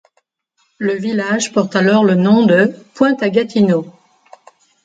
Le village porte alors le nom de Pointe-à-Gatineau.